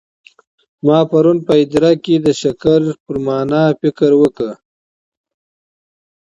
ما پرون په هدیره کي د شکر پر مانا فکر وکړی.